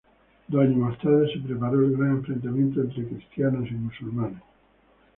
Dos años más tarde se preparó el gran enfrentamiento entre cristianos y musulmanes.